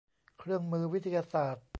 เครื่องมือวิทยาศาสตร์